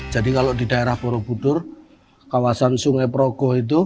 jadi kalau di daerah borobudur kawasan sungai progo itu